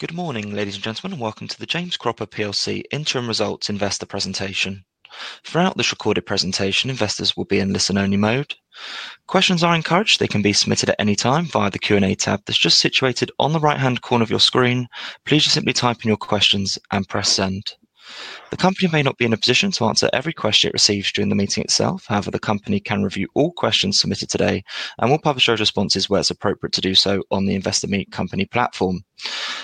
Good morning, ladies and gentlemen. Welcome to the James Cropper interim results investor presentation. Throughout this recorded presentation, investors will be in listen-only mode. Questions are encouraged; they can be submitted at any time via the Q&A tab that's just situated on the right-hand corner of your screen. Please just simply type in your questions and press send. The company may not be in a position to answer every question it receives during the meeting itself. However, the company can review all questions submitted today and will publish those responses where it's appropriate to do so on the Investor Meet Company platform.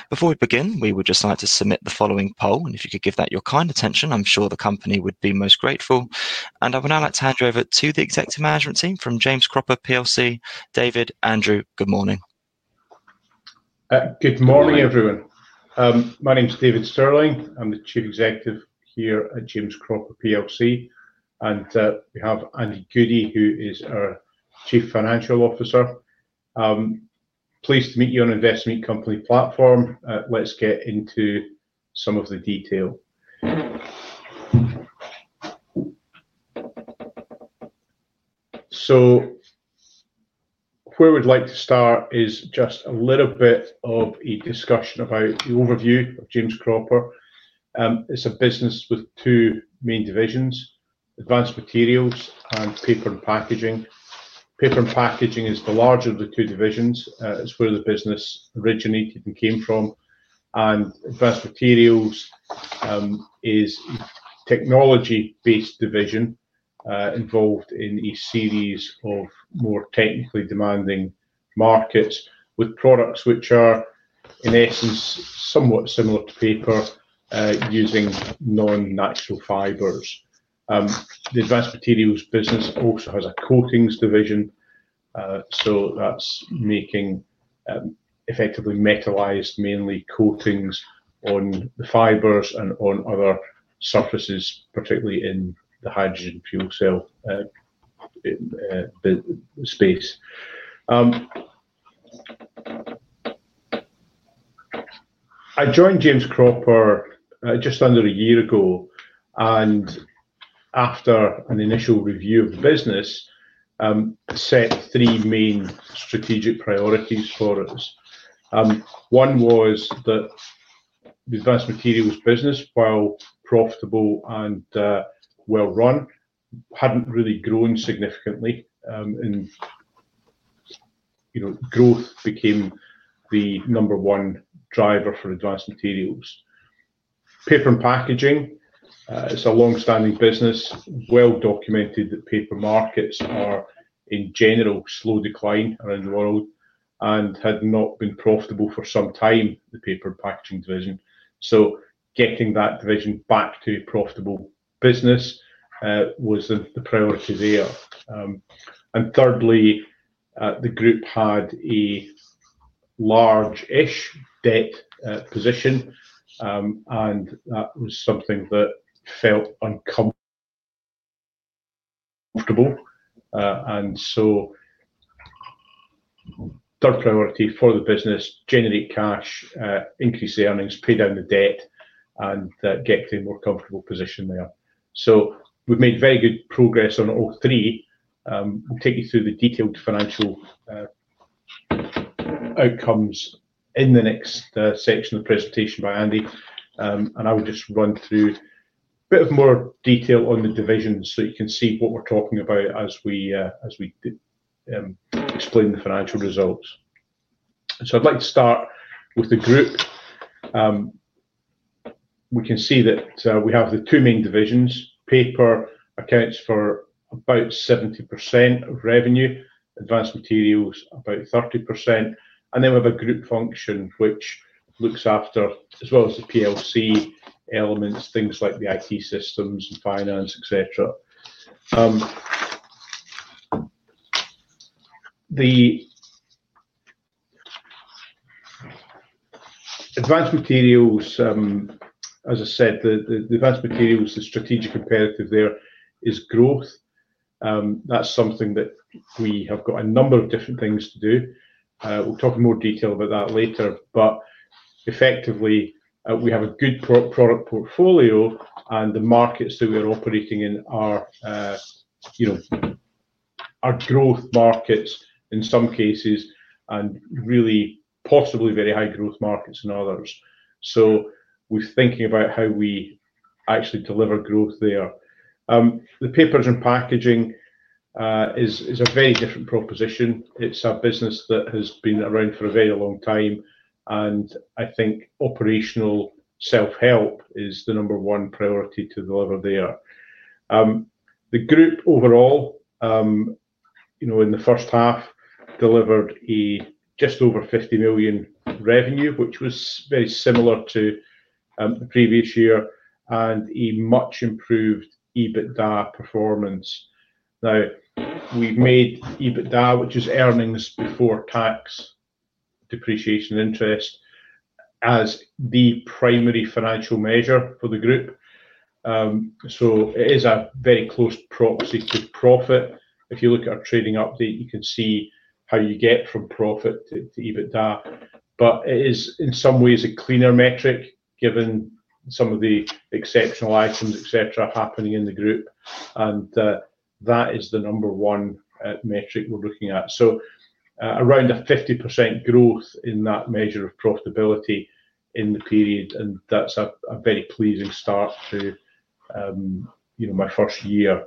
Before we begin, we would just like to submit the following poll, and if you could give that your kind attention, I'm sure the company would be most grateful. I would now like to hand you over to the Executive Management Team from James Cropper. David, Andy, good morning. Good morning, everyone. My name's David Stirling. I'm the Chief Executive here at James Cropper, and we have Andy Goody, who is our Chief Financial Officer. Pleased to meet you on Investor Meet Company platform. Let's get into some of the detail. Where we'd like to start is just a little bit of a discussion about the overview of James Cropper. It's a business with two main divisions: Advanced Materials and Paper and Packaging. Paper and Packaging is the larger of the two divisions. It's where the business originated and came from. Advanced Materials is a technology-based division involved in a series of more technically demanding markets with products which are, in essence, somewhat similar to paper using non-natural fibers. The Advanced Materials business also has a coatings division, so that's making effectively metalized mainly coatings on the fibers and on other surfaces, particularly in the hydrogen fuel cell space. I joined James Cropper just under a year ago, and after an initial review of the business, I set three main strategic priorities for us. One was that the Advanced Materials business, while profitable and well-run, had not really grown significantly, and growth became the number one driver for Advanced Materials. Paper and Packaging is a long-standing business, well-documented that paper markets are, in general, slow decline around the world and had not been profitable for some time, the Paper and Packaging division. Getting that division back to a profitable business was the priority there. Thirdly, the group had a large-ish debt position, and that was something that felt uncomfortable. Third priority for the business: generate cash, increase the earnings, pay down the debt, and get to a more comfortable position there. We have made very good progress on all three. We will take you through the detailed financial outcomes in the next section of the presentation by Andy, and I will just run through a bit more detail on the division so you can see what we are talking about as we explain the financial results. I would like to start with the group. We can see that we have the two main divisions: Paper accounts for about 70% of revenue, Advanced Materials about 30%, and then we have a group function which looks after, as well as the PLC elements, things like the IT systems and finance, etc. The Advanced Materials, as I said, the Advanced Materials, the strategic imperative there is growth. That's something that we have got a number of different things to do. We'll talk in more detail about that later, but effectively, we have a good product portfolio, and the markets that we're operating in are growth markets in some cases and really possibly very high-growth markets in others. We are thinking about how we actually deliver growth there. The Paper and Packaging is a very different proposition. It's a business that has been around for a very long time, and I think operational self-help is the number one priority to deliver there. The group overall, in the first half, delivered just over 50 million revenue, which was very similar to the previous year, and a much improved EBITDA performance. Now, we've made EBITDA, which is earnings before interest, taxes, depreciation, and amortization, as the primary financial measure for the group. It is a very close proxy to profit. If you look at our trading update, you can see how you get from profit to EBITDA, but it is, in some ways, a cleaner metric given some of the exceptional items, etc., happening in the group, and that is the number one metric we're looking at. Around a 50% growth in that measure of profitability in the period, and that's a very pleasing start to my first year.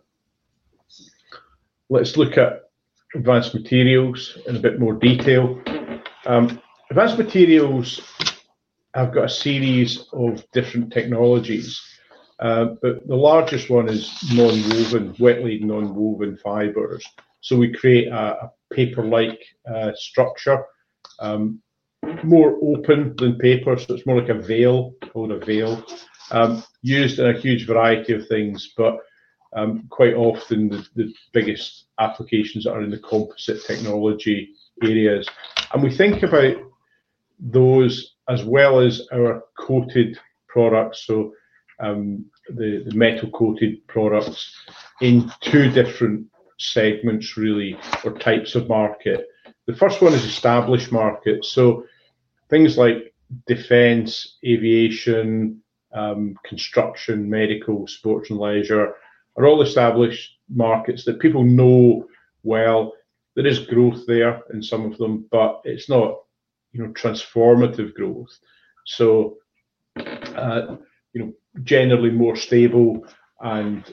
Let's look at Advanced Materials in a bit more detail. Advanced Materials have got a series of different technologies, but the largest one is non-woven, wetly non-woven fibers. We create a paper-like structure, more open than paper, so it's more like a veil, called a veil, used in a huge variety of things, but quite often the biggest applications are in the composite technology areas. We think about those as well as our coated products, so the metal-coated products, in two different segments, really, or types of market. The first one is established markets. Things like defense, aviation, construction, medical, sports, and leisure are all established markets that people know well. There is growth there in some of them, but it's not transformative growth. Generally more stable, and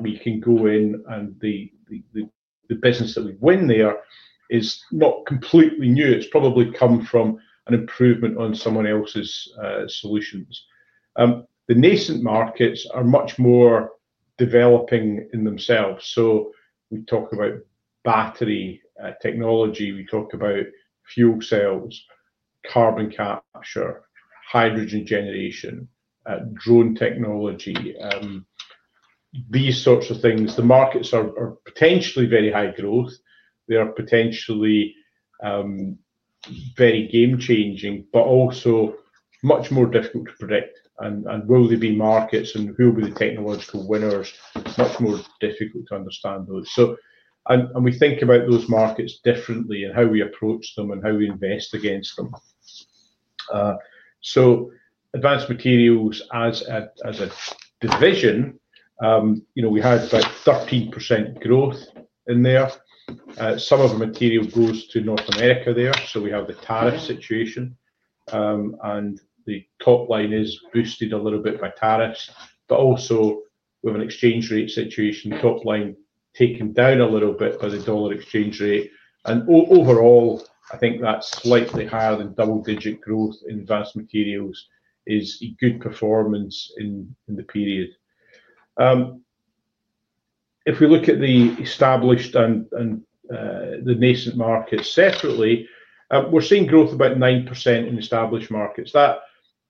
we can go in, and the business that we win there is not completely new; it's probably come from an improvement on someone else's solutions. The nascent markets are much more developing in themselves. We talk about battery technology, we talk about fuel cells, carbon capture, hydrogen generation, drone technology, these sorts of things. The markets are potentially very high growth. They are potentially very game-changing, but also much more difficult to predict. Will there be markets, and who will be the technological winners? Much more difficult to understand those. We think about those markets differently and how we approach them and how we invest against them. Advanced Materials as a division, we had about 13% growth in there. Some of the material goes to North America there, so we have the tariff situation, and the top line is boosted a little bit by tariffs, but also we have an exchange rate situation, top line taken down a little bit by the dollar exchange rate. Overall, I think that slightly higher than double-digit growth in Advanced Materials is a good performance in the period. If we look at the established and the nascent markets separately, we are seeing growth of about 9% in established markets.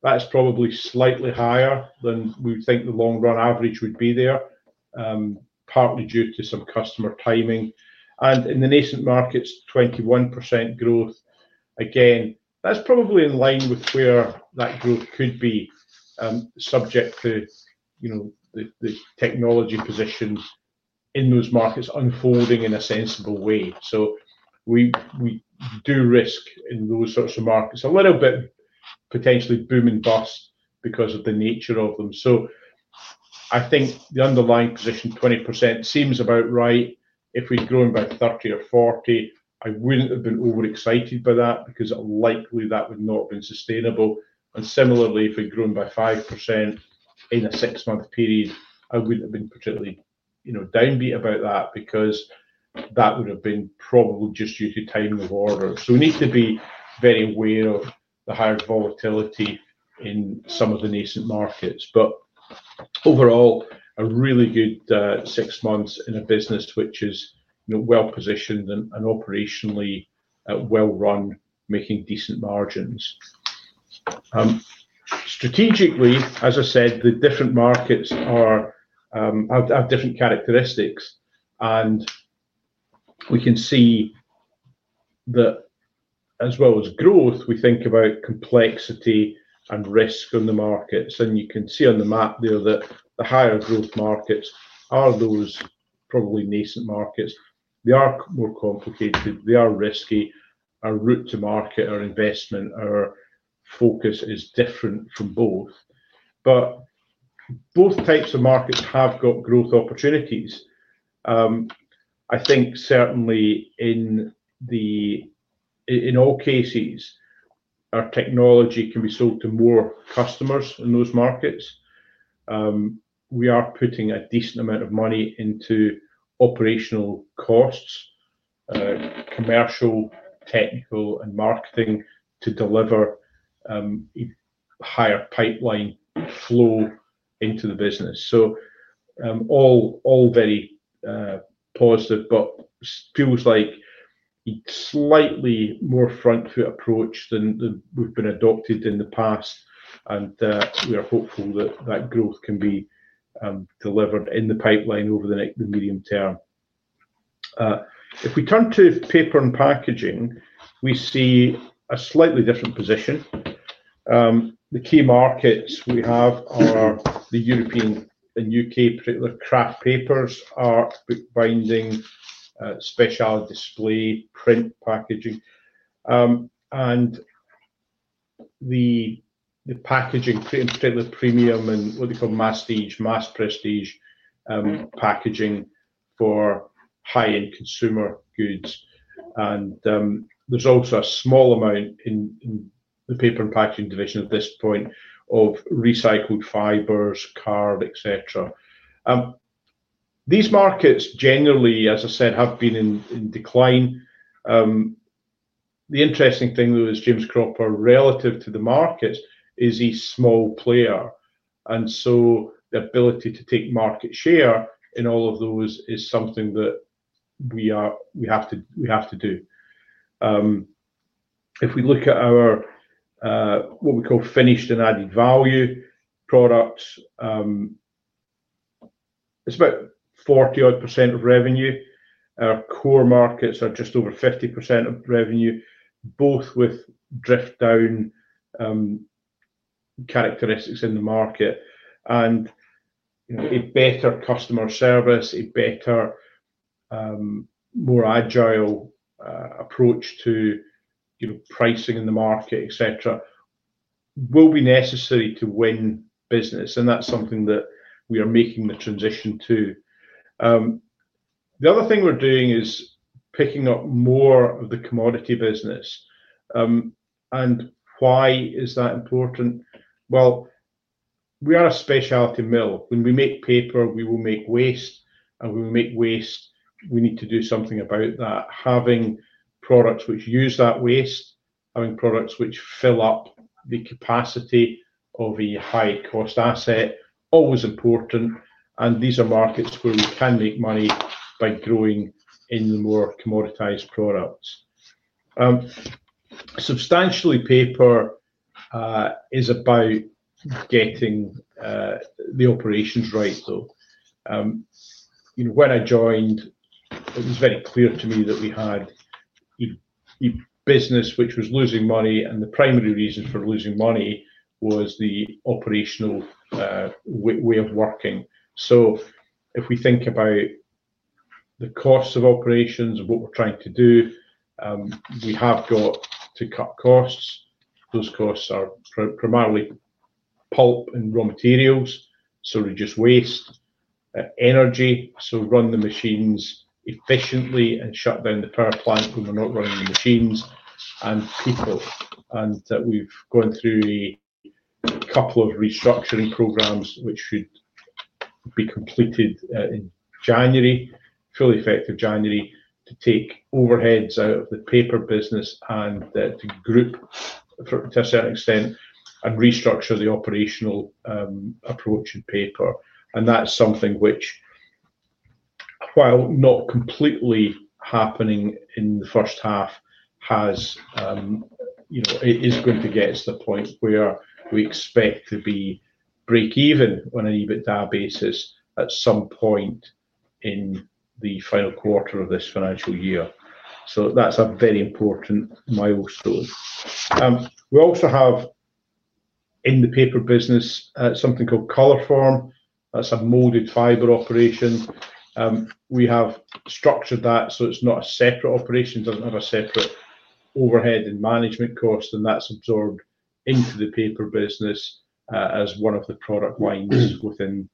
That's probably slightly higher than we would think the long-run average would be there, partly due to some customer timing. In the nascent markets, 21% growth. Again, that's probably in line with where that growth could be subject to the technology position in those markets unfolding in a sensible way. We do risk in those sorts of markets, a little bit potentially boom and bust because of the nature of them. I think the underlying position, 20%, seems about right. If we'd grown by 30% or 40%, I wouldn't have been overexcited by that because likely that would not have been sustainable. Similarly, if we'd grown by 5% in a six-month period, I wouldn't have been particularly downbeat about that because that would have been probably just due to timing of orders. We need to be very aware of the higher volatility in some of the nascent markets. Overall, a really good six months in a business which is well-positioned and operationally well-run, making decent margins. Strategically, as I said, the different markets have different characteristics, and we can see that as well as growth, we think about complexity and risk on the markets. You can see on the map there that the higher-growth markets are those probably nascent markets. They are more complicated, they are risky, our route to market, our investment, our focus is different from both. Both types of markets have got growth opportunities. I think certainly in all cases, our technology can be sold to more customers in those markets. We are putting a decent amount of money into operational costs, commercial, technical, and marketing to deliver a higher pipeline flow into the business. All very positive, but feels like a slightly more front-foot approach than we've adopted in the past, and we are hopeful that that growth can be delivered in the pipeline over the medium term. If we turn to Paper and Packaging, we see a slightly different position. The key markets we have are the European and U.K., particularly craft papers, art, binding, special display, print packaging, and the packaging, particularly premium and what they call mass-stage, mass-prestige packaging for high-end consumer goods. There is also a small amount in the Paper and Packaging division at this point of recycled fibers, card, etc. These markets generally, as I said, have been in decline. The interesting thing, though, is James Cropper, relative to the markets, is a small player, and so the ability to take market share in all of those is something that we have to do. If we look at our what we call finished and added value products, it's about 40% of revenue. Our core markets are just over 50% of revenue, both with drift-down characteristics in the market. A better customer service, a better, more agile approach to pricing in the market, etc., will be necessary to win business, and that's something that we are making the transition to. The other thing we're doing is picking up more of the commodity business. Why is that important? We are a specialty mill. When we make paper, we will make waste, and when we make waste, we need to do something about that. Having products which use that waste, having products which fill up the capacity of a high-cost asset is always important, and these are markets where we can make money by growing in more commoditized products. Substantially, Paper is about getting the operations right, though. When I joined, it was very clear to me that we had a business which was losing money, and the primary reason for losing money was the operational way of working. If we think about the cost of operations and what we're trying to do, we have got to cut costs. Those costs are primarily pulp and raw materials, so we just waste energy. Run the machines efficiently and shut down the power plant when we're not running the machines and people. We have gone through a couple of restructuring programs which should be completed in January, fully effective January, to take overheads out of the paper business and to group, to a certain extent, and restructure the operational approach in paper. That is something which, while not completely happening in the first half, is going to get us to the point where we expect to be break-even on an EBITDA basis at some point in the final quarter of this financial year. That is a very important milestone. We also have, in the Paper business, something called Colourform. That is a molded fiber operation. We have structured that so it is not a separate operation, does not have a separate overhead and management cost, and that is absorbed into the Paper business as one of the product lines within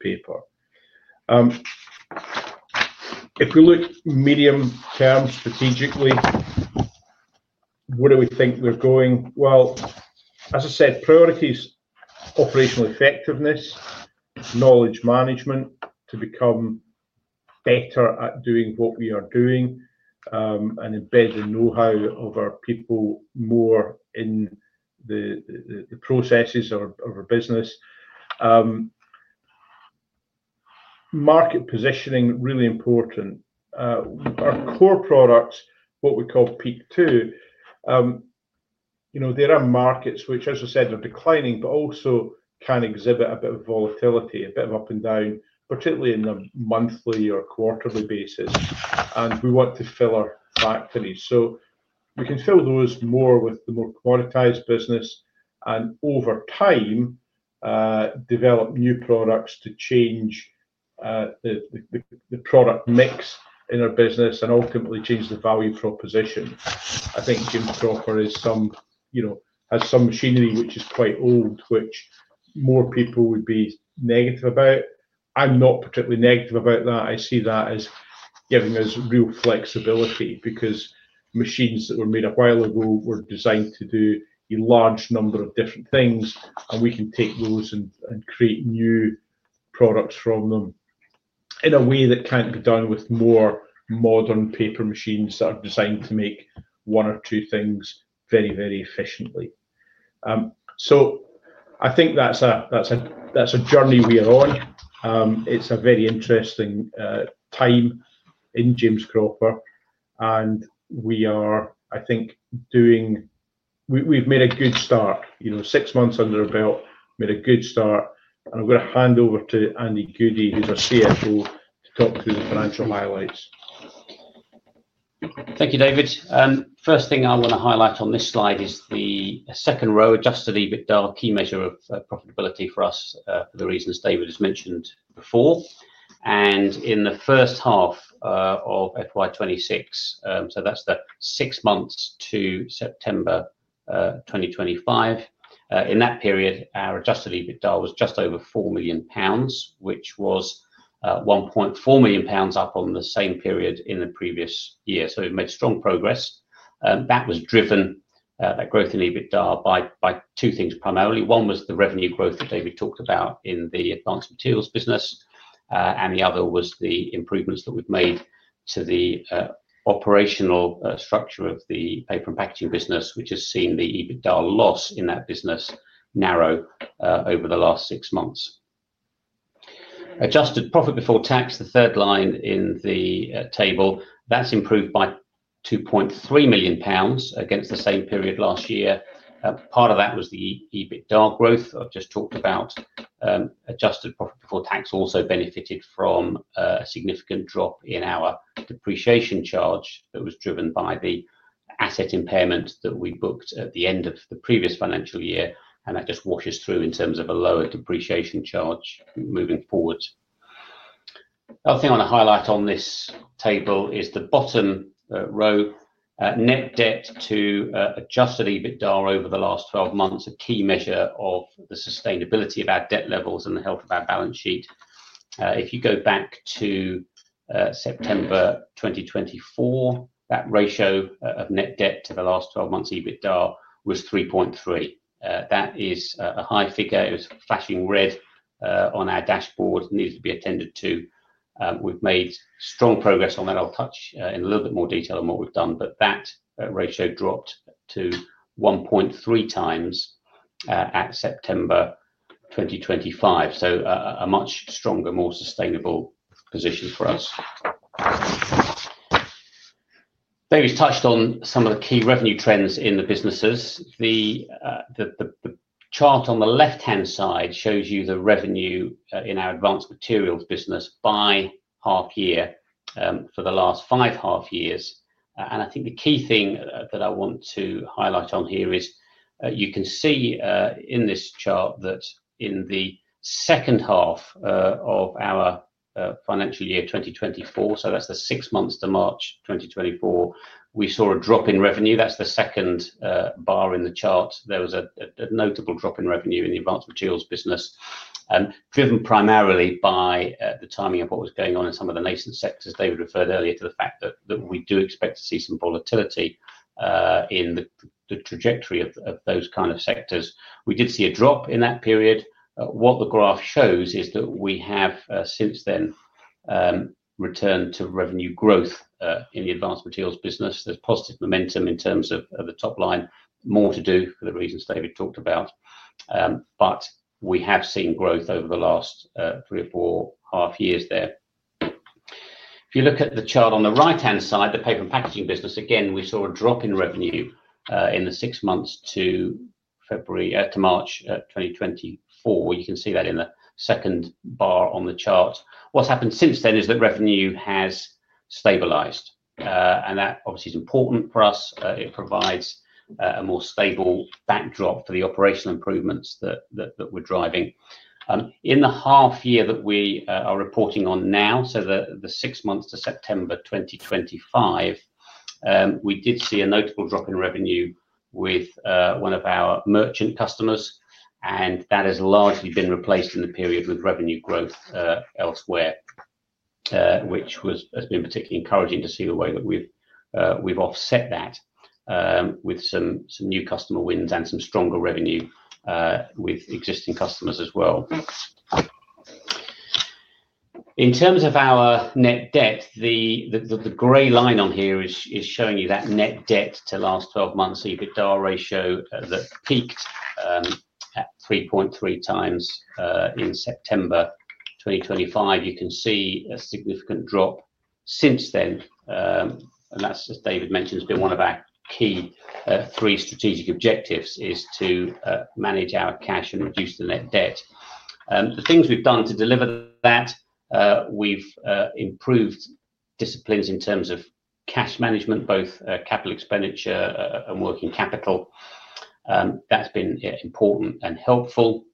Paper. If we look medium-term strategically, where do we think we are going? As I said, priorities: operational effectiveness, knowledge management to become better at doing what we are doing, and embedding know-how of our people more in the processes of our business. Market positioning, really important. Our core products, what we call Peak Two, there are markets which, as I said, are declining but also can exhibit a bit of volatility, a bit of up and down, particularly in the monthly or quarterly basis. We want to fill our factories. We can fill those more with the more commoditized business and, over time, develop new products to change the product mix in our business and ultimately change the value proposition. I think James Cropper has some machinery which is quite old, which more people would be negative about. I'm not particularly negative about that. I see that as giving us real flexibility because machines that were made a while ago were designed to do a large number of different things, and we can take those and create new products from them in a way that cannot be done with more modern paper machines that are designed to make one or two things very, very efficiently. I think that is a journey we are on. It is a very interesting time in James Cropper, and we are, I think, doing—we have made a good start. Six months under our belt, made a good start. I am going to hand over to Andy Goody, who is our CFO, to talk through the financial highlights. Thank you, David. First thing I want to highlight on this slide is the second row, adjusted EBITDA, key measure of profitability for us for the reasons David has mentioned before. In the first half of FY26, that is the six months to September 2025, in that period, our adjusted EBITDA was just over 4 million pounds, which was 1.4 million pounds up on the same period in the previous year. We have made strong progress. That growth in EBITDA was driven by two things primarily. One was the revenue growth that David talked about in the Advanced Materials business, and the other was the improvements that we have made to the operational structure of the Paper and Packaging business, which has seen the EBITDA loss in that business narrow over the last six months. Adjusted profit before tax, the third line in the table, has improved by 2.3 million pounds against the same period last year. Part of that was the EBITDA growth I have just talked about. Adjusted profit before tax also benefited from a significant drop in our depreciation charge that was driven by the asset impairment that we booked at the end of the previous financial year, and that just washes through in terms of a lower depreciation charge moving forward. The other thing I want to highlight on this table is the bottom row, net debt to adjusted EBITDA over the last 12 months, a key measure of the sustainability of our debt levels and the health of our balance sheet. If you go back to September 2024, that ratio of net debt to the last 12 months' EBITDA was 3.3. That is a high figure. It was flashing red on our dashboard. It needed to be attended to. We've made strong progress on that. I'll touch in a little bit more detail on what we've done, but that ratio dropped to 1.3x at September 2025. A much stronger, more sustainable position for us. David's touched on some of the key revenue trends in the businesses. The chart on the left-hand side shows you the revenue in our Advanced Materials business by half-year for the last five half-years. I think the key thing that I want to highlight on here is you can see in this chart that in the second half of our financial year 2024, so that's the six months to March 2024, we saw a drop in revenue. That's the second bar in the chart. There was a notable drop in revenue in the Advanced Materials business, driven primarily by the timing of what was going on in some of the nascent sectors. David referred earlier to the fact that we do expect to see some volatility in the trajectory of those kind of sectors. We did see a drop in that period. What the graph shows is that we have since then returned to revenue growth in the Advanced Materials business. There's positive momentum in terms of the top line, more to do for the reasons David talked about, but we have seen growth over the last three or four half-years there. If you look at the chart on the right-hand side, the Paper and Packaging business, again, we saw a drop in revenue in the six months to March 2024. You can see that in the second bar on the chart. What's happened since then is that revenue has stabilized, and that obviously is important for us. It provides a more stable backdrop for the operational improvements that we're driving. In the half-year that we are reporting on now, so the six months to September 2025, we did see a notable drop in revenue with one of our merchant customers, and that has largely been replaced in the period with revenue growth elsewhere, which has been particularly encouraging to see the way that we've offset that with some new customer wins and some stronger revenue with existing customers as well. In terms of our net debt, the gray line on here is showing you that net debt to last 12 months, EBITDA ratio that peaked at 3.3x in September 2025. You can see a significant drop since then, and that's, as David mentioned, been one of our key three strategic objectives: to manage our cash and reduce the net debt. The things we've done to deliver that, we've improved disciplines in terms of cash management, both capital expenditure and working capital. That's been important and helpful.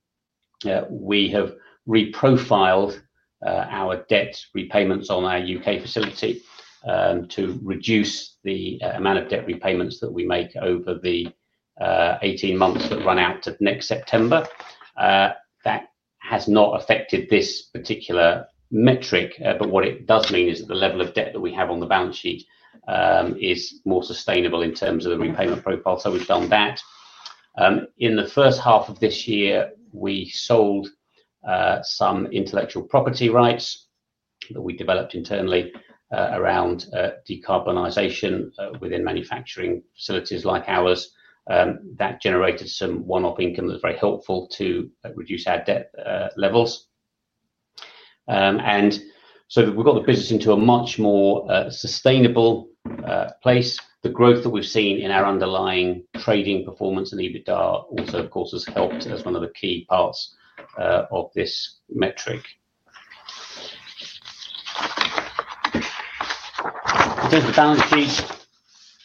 We have reprofiled our debt repayments on our U.K. facility to reduce the amount of debt repayments that we make over the 18 months that run out to next September. That has not affected this particular metric, but what it does mean is that the level of debt that we have on the balance sheet is more sustainable in terms of the repayment profile. We've done that. In the first half of this year, we sold some intellectual property rights that we developed internally around decarbonisation within manufacturing facilities like ours. That generated some one-off income that was very helpful to reduce our debt levels. We've got the business into a much more sustainable place. The growth that we've seen in our underlying trading performance and EBITDA also, of course, has helped as one of the key parts of this metric. In terms of the balance sheet,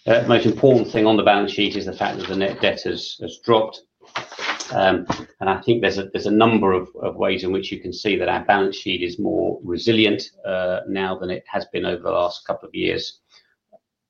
the most important thing on the balance sheet is the fact that the net debt has dropped. I think there's a number of ways in which you can see that our balance sheet is more resilient now than it has been over the last couple of years.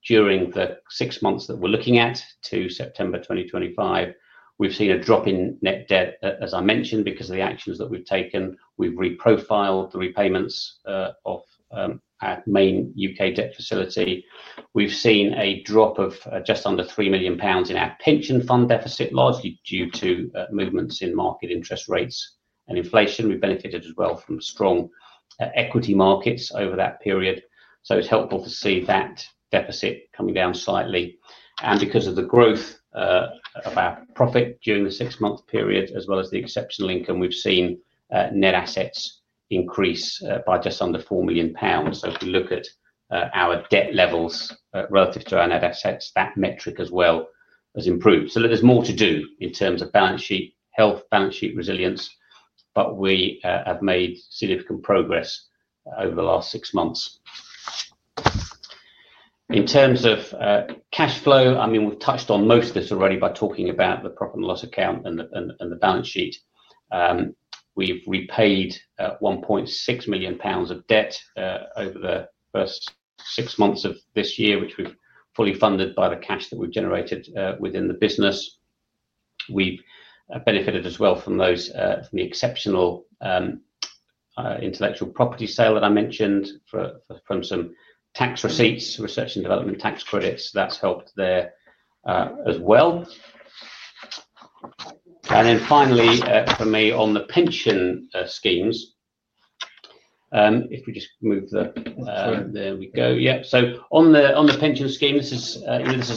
During the six months that we're looking at to September 2025, we've seen a drop in net debt, as I mentioned, because of the actions that we've taken. We've reprofiled the repayments of our main U.K. debt facility. We've seen a drop of just under 3 million pounds in our pension fund deficit, largely due to movements in market interest rates and inflation. have benefited as well from strong equity markets over that period. It is helpful to see that deficit coming down slightly. Because of the growth of our profit during the six-month period, as well as the exceptional income, we have seen net assets increase by just under 4 million pounds. If we look at our debt levels relative to our net assets, that metric as well has improved. There is more to do in terms of balance sheet health, balance sheet resilience, but we have made significant progress over the last six months. In terms of cash flow, I mean, we have touched on most of this already by talking about the profit and loss account and the balance sheet. We have repaid 1.6 million pounds of debt over the first six months of this year, which we have fully funded by the cash that we have generated within the business. We've benefited as well from the exceptional intellectual property sale that I mentioned from some tax receipts, research and development tax credits. That's helped there as well. Finally, for me, on the pension schemes, if we just move the—there we go. Yeah. On the pension scheme, this is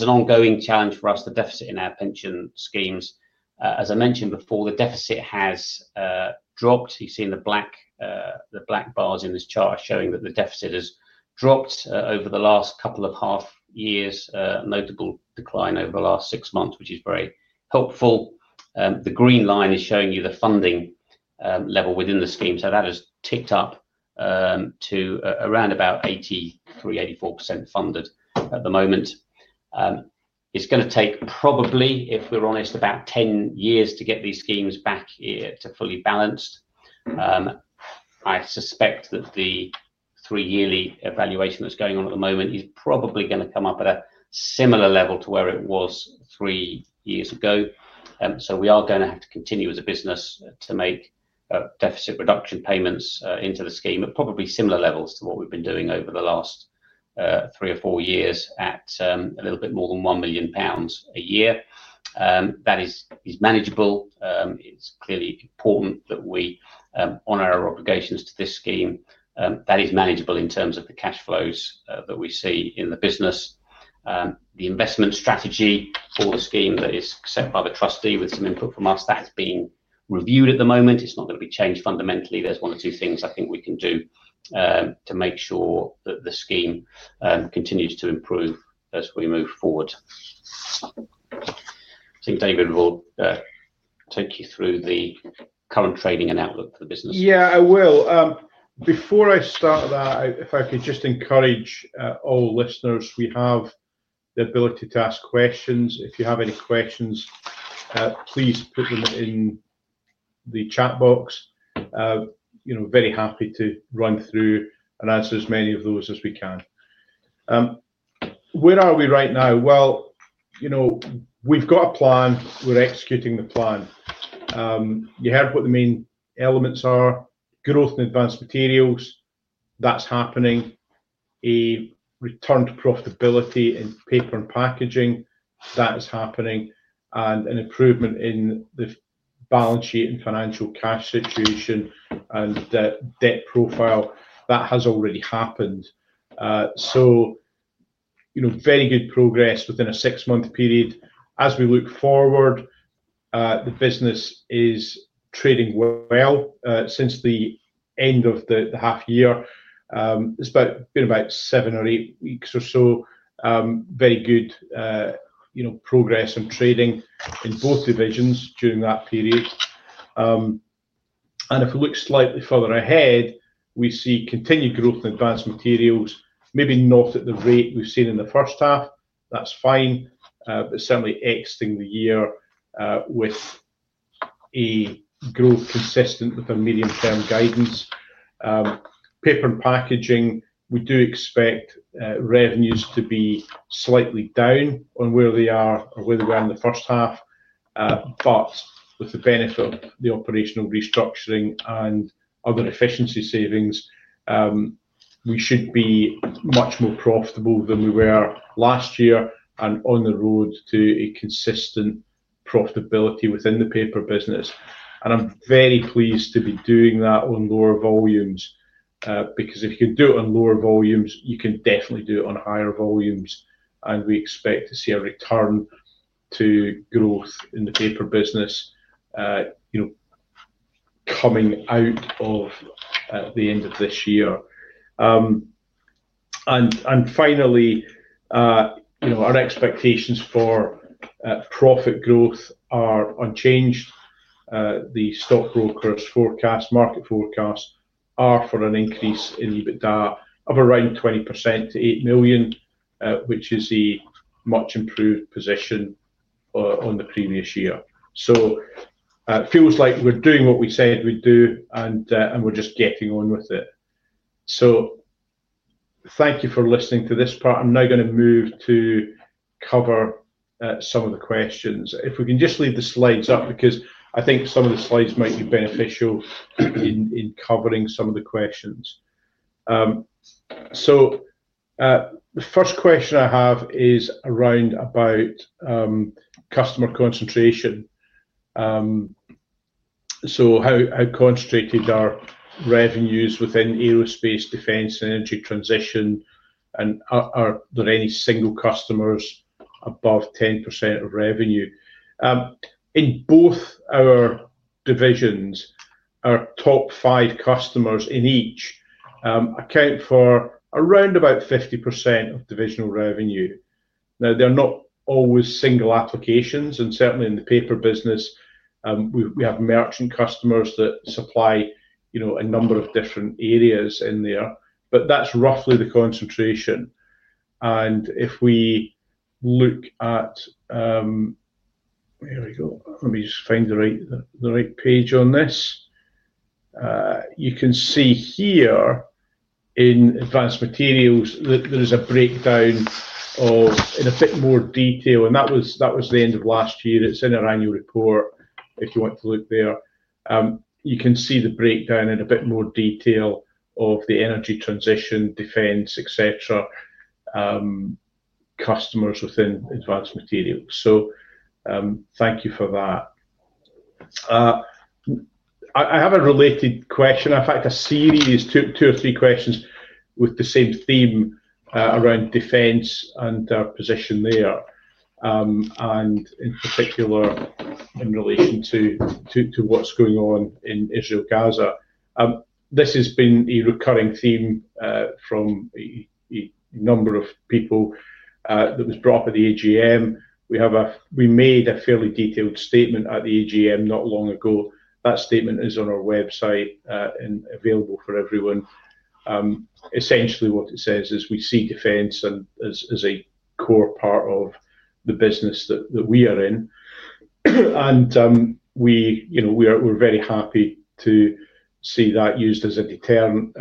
an ongoing challenge for us, the deficit in our pension schemes. As I mentioned before, the deficit has dropped. You've seen the black bars in this chart showing that the deficit has dropped over the last couple of half-years, a notable decline over the last six months, which is very helpful. The green line is showing you the funding level within the scheme. That has ticked up to around about 83%-84% funded at the moment. It's going to take probably, if we're honest, about 10 years to get these schemes back to fully balanced. I suspect that the three-yearly evaluation that is going on at the moment is probably going to come up at a similar level to where it was three years ago. We are going to have to continue as a business to make deficit reduction payments into the scheme, but probably similar levels to what we have been doing over the last three or four years at a little bit more than 1 million pounds a year. That is manageable. It is clearly important that we, on our obligations to this scheme, that is manageable in terms of the cash flows that we see in the business. The investment strategy for the scheme that is set by the trustee with some input from us, that is being reviewed at the moment. It is not going to be changed fundamentally. There's one or two things I think we can do to make sure that the scheme continues to improve as we move forward. I think David will take you through the current trading and outlook for the business. Yeah, I will. Before I start that, if I could just encourage all listeners, we have the ability to ask questions. If you have any questions, please put them in the chat box. Very happy to run through and answer as many of those as we can. Where are we right now? We have got a plan. We are executing the plan. You heard what the main elements are: growth in Advanced Materials, that is happening. A return to profitability in Paper and Packaging, that is happening. An improvement in the balance sheet and financial cash situation and debt profile, that has already happened. Very good progress within a six-month period. As we look forward, the business is trading well since the end of the half-year. It has been about seven or eight weeks or so. Very good progress in trading in both divisions during that period. If we look slightly further ahead, we see continued growth in Advanced Materials, maybe not at the rate we've seen in the first half. That is fine. Certainly, exiting the year with a growth consistent with our medium-term guidance. Paper and Packaging, we do expect revenues to be slightly down on where they are or where we are in the first half. With the benefit of the operational restructuring and other efficiency savings, we should be much more profitable than we were last year and on the road to a consistent profitability within the paper business. I am very pleased to be doing that on lower volumes because if you can do it on lower volumes, you can definitely do it on higher volumes. We expect to see a return to growth in the paper business coming out of the end of this year. Finally, our expectations for profit growth are unchanged. The stock broker's forecast, market forecast, are for an increase in EBITDA of around 20% to 8 million, which is a much improved position on the previous year. It feels like we're doing what we said we'd do, and we're just getting on with it. Thank you for listening to this part. I'm now going to move to cover some of the questions. If we can just leave the slides up because I think some of the slides might be beneficial in covering some of the questions. The first question I have is around about customer concentration. How concentrated are revenues within aerospace, defense, and energy transition? Are there any single customers above 10% of revenue? In both our divisions, our top five customers in each account for around about 50% of divisional revenue. Now, they're not always single applications. Certainly in the paper business, we have merchant customers that supply a number of different areas in there. That's roughly the concentration. If we look at—here we go. Let me just find the right page on this. You can see here in advanced materials, there is a breakdown in a bit more detail. That was the end of last year. It's in our annual report. If you want to look there, you can see the breakdown in a bit more detail of the energy transition, defence, etc., customers within advanced materials. Thank you for that. I have a related question. I've had a series, two or three questions with the same theme around defence and our position there. In particular, in relation to what's going on in Israel-Gaza. This has been a recurring theme from a number of people that was brought by the AGM. We made a fairly detailed statement at the AGM not long ago. That statement is on our website and available for everyone. Essentially, what it says is we see defence as a core part of the business that we are in. We are very happy to see that used as a deterrent.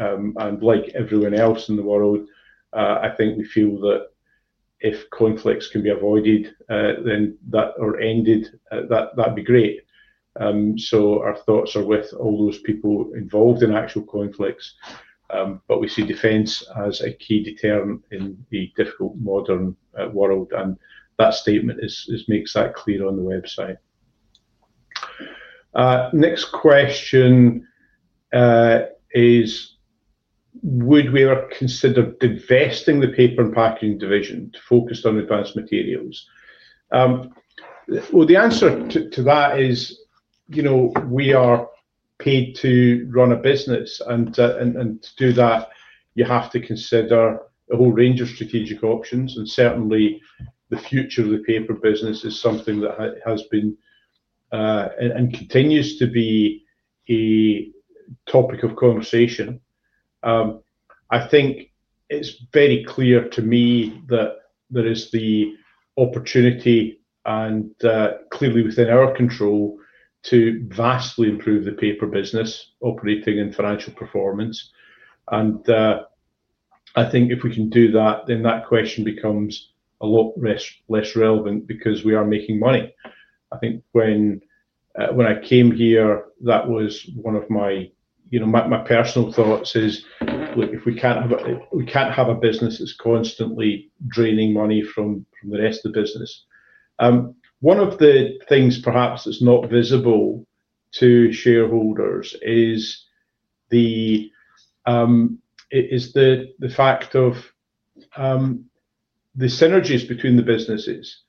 Like everyone else in the world, I think we feel that if conflicts can be avoided, then that or ended, that would be great. Our thoughts are with all those people involved in actual conflicts. We see defence as a key deterrent in the difficult modern world. That statement makes that clear on the website. Next question is, would we ever consider divesting the Paper and Packaging division to focus on Advanced Materials? The answer to that is we are paid to run a business. To do that, you have to consider a whole range of strategic options. Certainly, the future of the paper business is something that has been and continues to be a topic of conversation. I think it's very clear to me that there is the opportunity and clearly within our control to vastly improve the paper business operating and financial performance. I think if we can do that, then that question becomes a lot less relevant because we are making money. I think when I came here, that was one of my personal thoughts is, look, if we can't have a business that's constantly draining money from the rest of the business. One of the things perhaps that's not visible to shareholders is the fact of the synergies between the businesses.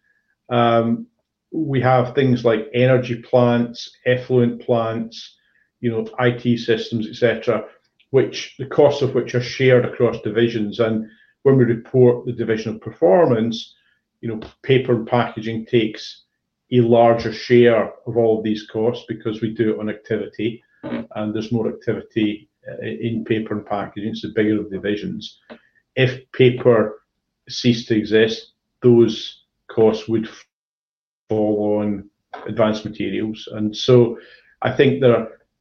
We have things like Energy Plants, Effluent Plants, IT systems, etc., which the costs of which are shared across divisions. When we report the divisional performance, Paper and Packaging takes a larger share of all of these costs because we do it on activity. There is more activity in Paper and Packaging. It is a bigger division. If Paper ceased to exist, those costs would fall on Advanced Materials. I think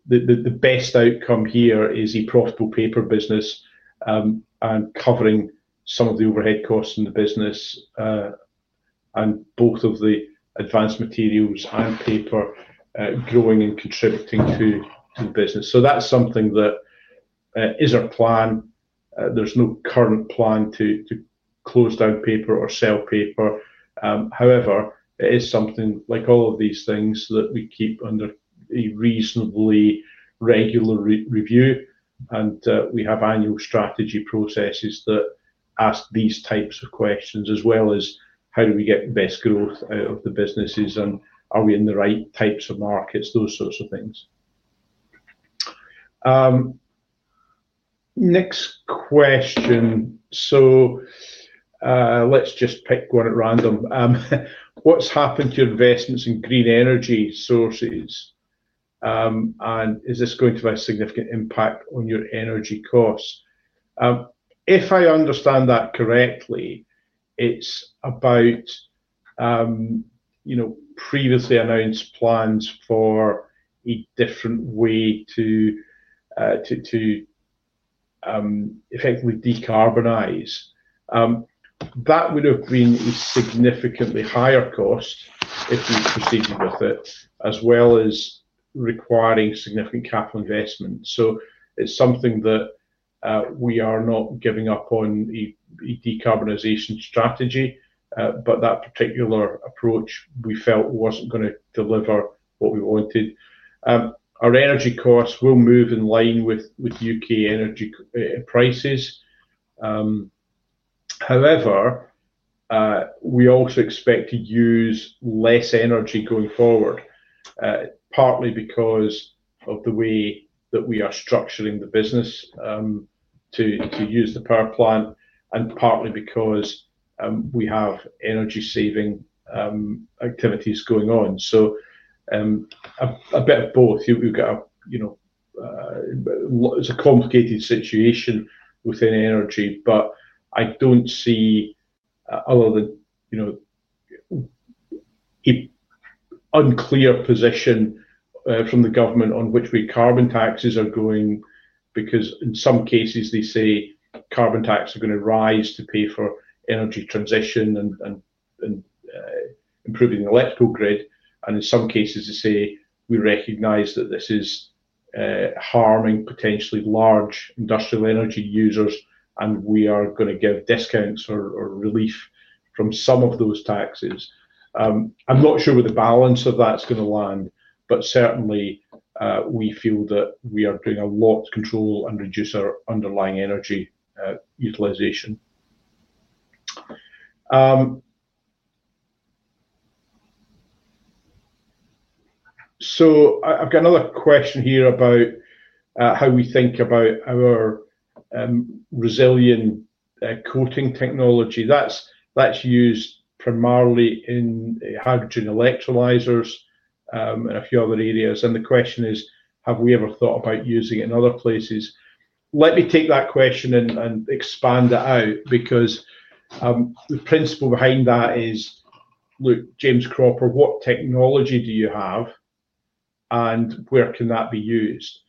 the best outcome here is a profitable Paper business and covering some of the overhead costs in the business and both of the Advanced Materials and Paper growing and contributing to the business. That is something that is our plan. There is no current plan to close down Paper or sell Paper. However, it is something like all of these things that we keep under a reasonably regular review. We have annual strategy processes that ask these types of questions as well as how do we get the best growth out of the businesses and are we in the right types of markets, those sorts of things. Next question. Let's just pick one at random. What's happened to your investments in green energy sources? Is this going to have a significant impact on your energy costs? If I understand that correctly, it's about previously announced plans for a different way to effectively decarbonize. That would have been a significantly higher cost if we proceeded with it, as well as requiring significant capital investment. It is something that we are not giving up on a decarbonization strategy. That particular approach we felt was not going to deliver what we wanted. Our energy costs will move in line with U.K. energy prices. However, we also expect to use less energy going forward, partly because of the way that we are structuring the business to use the power plant and partly because we have energy-saving activities going on. A bit of both. We've got a—it's a complicated situation within energy. I don't see, other than an unclear position from the government on which way carbon taxes are going, because in some cases they say carbon taxes are going to rise to pay for energy transition and improving the electrical grid. In some cases, they say we recognize that this is harming potentially large industrial energy users, and we are going to give discounts or relief from some of those taxes. I'm not sure where the balance of that's going to land. Certainly, we feel that we are doing a lot to control and reduce our underlying energy utilization. I've got another question here about how we think about our resilient coating technology. That's used primarily in hydrogen electrolyzers and a few other areas. The question is, have we ever thought about using it in other places? Let me take that question and expand it out because the principle behind that is, look, James Cropper, what technology do you have? And where can that be used?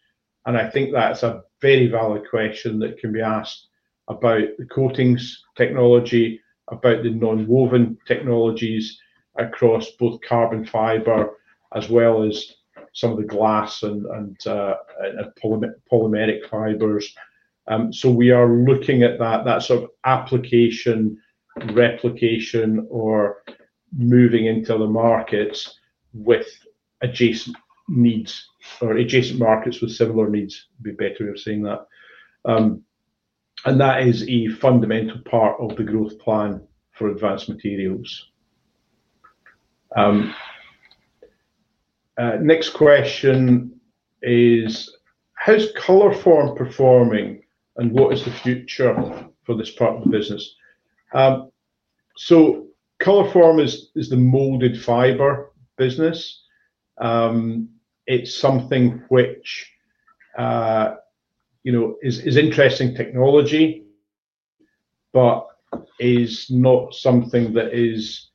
I think that's a very valid question that can be asked about the coatings technology, about the non-woven technologies across both carbon fiber as well as some of the glass and polymeric fibers. We are looking at that sort of application, replication, or moving into the markets with adjacent needs or adjacent markets with similar needs. It'd be better if we were saying that. That is a fundamental part of the growth plan for advanced materials. Next question is, how's Colourform performing? What is the future for this part of the business? Colourform is the molded fiber business. It's something which is interesting technology, but is not something that is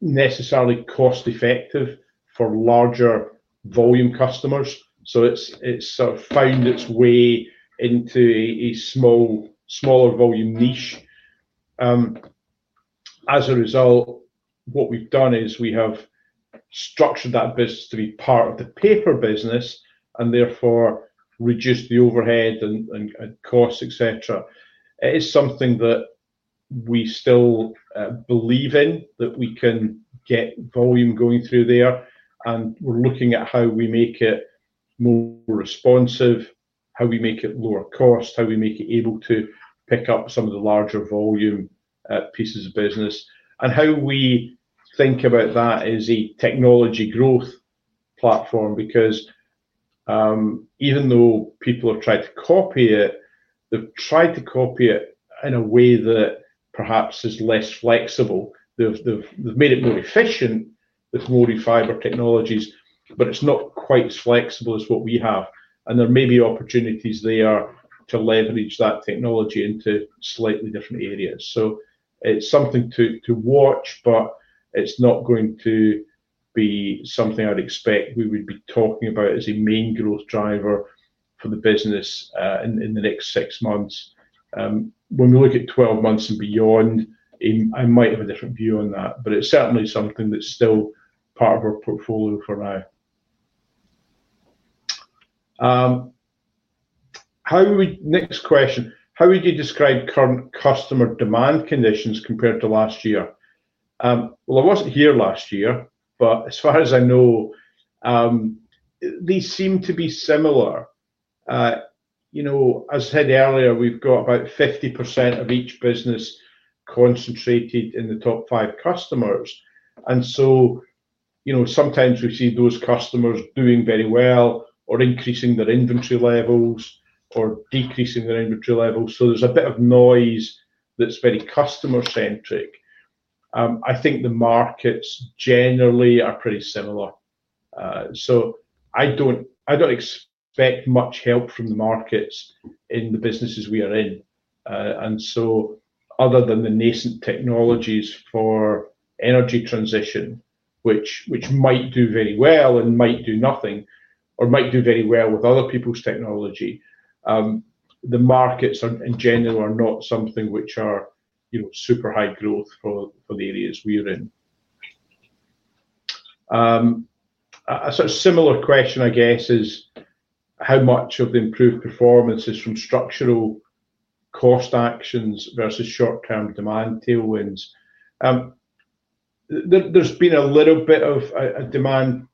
necessarily cost-effective for larger volume customers. It has sort of found its way into a smaller volume niche. As a result, what we've done is we have structured that business to be part of the Paper business and therefore reduce the overhead and costs, etc. It is something that we still believe in, that we can get volume going through there. We're looking at how we make it more responsive, how we make it lower cost, how we make it able to pick up some of the larger volume pieces of business, and how we think about that as a technology growth platform. Because even though people have tried to copy it, they've tried to copy it in a way that perhaps is less flexible. They've made it more efficient with molded fiber technologies, but it's not quite as flexible as what we have. There may be opportunities there to leverage that technology into slightly different areas. It is something to watch, but it's not going to be something I'd expect we would be talking about as a main growth driver for the business in the next six months. When we look at 12 months and beyond, I might have a different view on that. It is certainly something that's still part of our portfolio for now. Next question. How would you describe current customer demand conditions compared to last year? I wasn't here last year. As far as I know, they seem to be similar. As I said earlier, we've got about 50% of each business concentrated in the top five customers. Sometimes we see those customers doing very well or increasing their inventory levels or decreasing their inventory levels. There's a bit of noise that's very customer-centric. I think the markets generally are pretty similar. I don't expect much help from the markets in the businesses we are in. Other than the nascent technologies for energy transition, which might do very well and might do nothing or might do very well with other people's technology, the markets in general are not something which are super high growth for the areas we are in. A sort of similar question, I guess, is how much of the improved performance is from structural cost actions versus short-term demand tailwinds. There's been a little bit of demand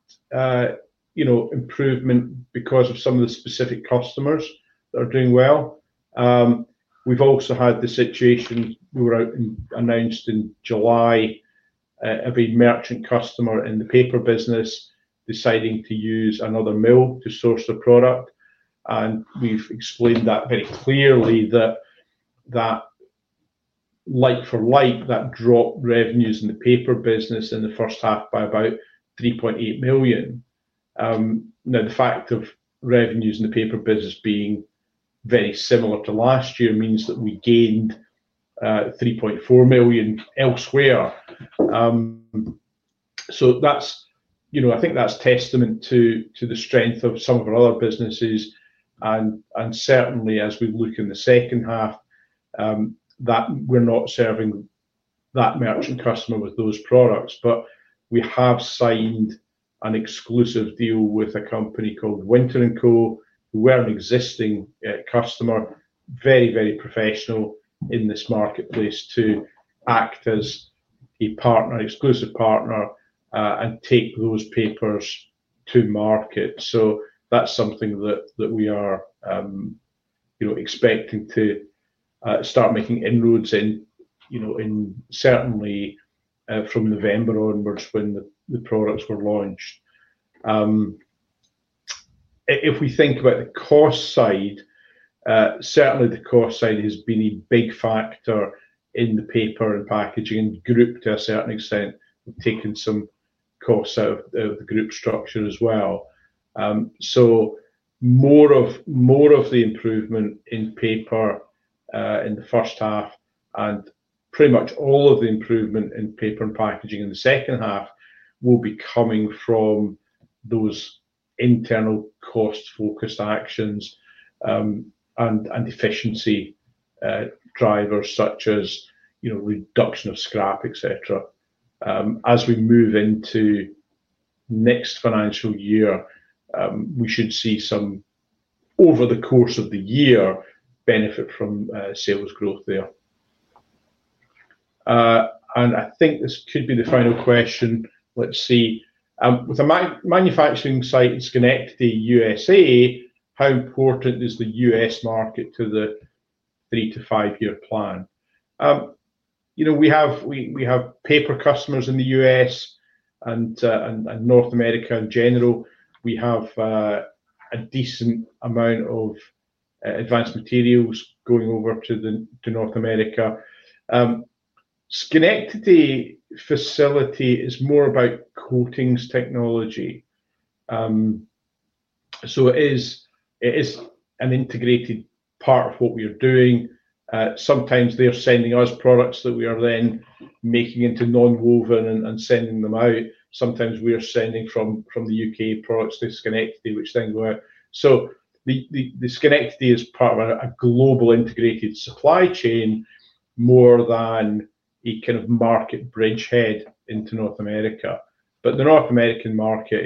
improvement because of some of the specific customers that are doing well. We have also had the situation we announced in July of a merchant customer in the paper business deciding to use another mill to source the product. We have explained that very clearly that like for like, that dropped revenues in the paper business in the first half by 3.8 million. The fact of revenues in the paper business being very similar to last year means that we gained 3.4 million elsewhere. I think that is testament to the strength of some of our other businesses. Certainly, as we look in the second half, we are not serving that merchant customer with those products. We have signed an exclusive deal with a company called Winter & Co. We're an existing customer, very, very professional in this marketplace to act as a partner, exclusive partner, and take those papers to market. That is something that we are expecting to start making inroads in, certainly from November onwards when the products were launched. If we think about the cost side, certainly the cost side has been a big factor in the Paper and Packaging group to a certain extent, taking some costs out of the group structure as well. More of the improvement in paper in the first half and pretty much all of the improvement in Paper and Packaging in the second half will be coming from those internal cost-focused actions and efficiency drivers such as reduction of scrap, etc. As we move into next financial year, we should see some, over the course of the year, benefit from sales growth there. I think this could be the final question. Let's see. With a manufacturing site in Schenectady, USA, how important is the U.S. market to the three to five-year plan? We have Paper customers in the US and North America in general. We have a decent amount of advanced materials going over to North America. The Schenectady facility is more about coatings technology. It is an integrated part of what we are doing. Sometimes they're sending us products that we are then making into non-woven and sending them out. Sometimes we are sending from the UK products to Schenectady, which then go out. Schenectady is part of a global integrated supply chain more than a kind of market bridgehead into North America. The North American market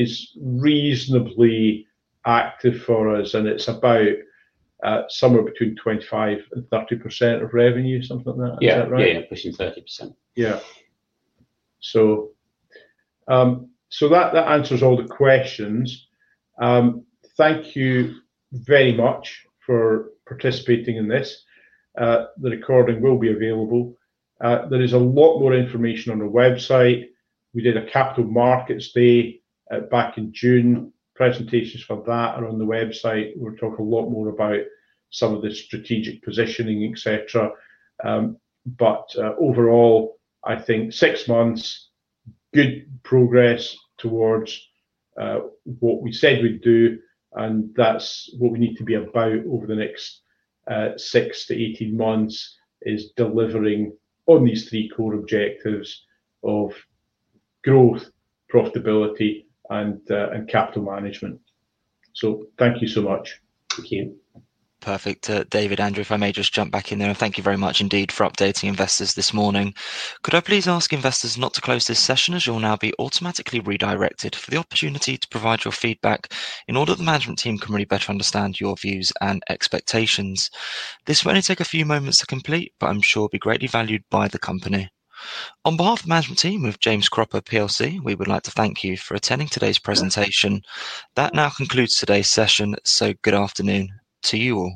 is reasonably active for us. It's about somewhere between 25% and 30% of revenue, something like that. Is that right? Yeah. Yeah. Between 30%. Yeah. That answers all the questions. Thank you very much for participating in this. The recording will be available. There is a lot more information on our website. We did a capital markets day back in June. Presentations for that are on the website. We talk a lot more about some of the strategic positioning, etc. Overall, I think six months, good progress towards what we said we'd do. That is what we need to be about over the next 6-18 months, delivering on these three core objectives of growth, profitability, and capital management. Thank you so much. Thank you. Perfect. David, Andrew, if I may just jump back in there. Thank you very much indeed for updating investors this morning. Could I please ask investors not to close this session as you'll now be automatically redirected for the opportunity to provide your feedback in order that the management team can really better understand your views and expectations? This will only take a few moments to complete, but I'm sure it'll be greatly valued by the company. On behalf of the management team with James Cropper, we would like to thank you for attending today's presentation. That now concludes today's session. Good afternoon to you all.